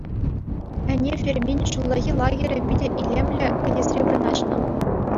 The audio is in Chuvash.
Ӗне фермин «ҫуллахи лагерӗ» питӗ илемлӗ кӗтесре вырнаҫнӑ.